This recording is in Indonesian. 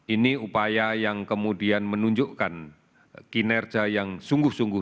ini upaya yang kemudian menunjukkan kinerja yang sungguh sungguh